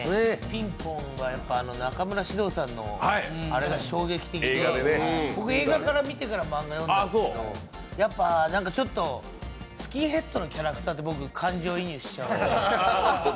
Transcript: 「ピンポン」は中村獅童さんのあれが衝撃的で僕、映画見てから漫画を読んだんですけどやっぱ、スキンヘッドのキャラクターって感情移入しちゃう。